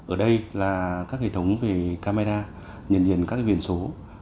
ở đây là các hệ thống về camera nhận diện các biển số